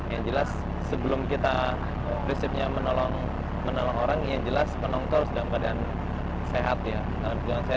yang jelas sebelum kita prinsipnya menolong orang yang jelas penonton harus dalam keadaan sehat ya